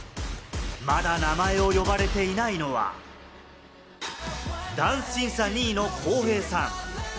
まだ名前を呼ばれていないのは、ダンス審査２位のコウヘイさん。